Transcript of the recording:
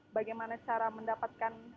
bagaimana cara mendapatkan